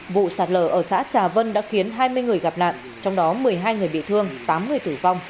vụ sạt lở ở xã trà vân đã khiến hai mươi người gặp nạn trong đó một mươi hai người bị thương tám người tử vong